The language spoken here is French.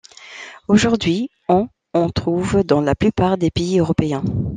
Aujourd’hui on en trouve dans la plupart des pays européens.